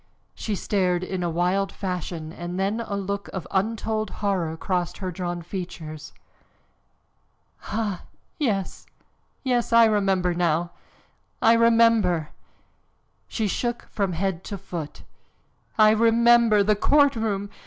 She stared in a wild fashion and then a look of untold horror crossed her drawn features. "Ah! Yes, yes, I remember now! I remember!" She shook from head to foot. "I remember! The courtroom!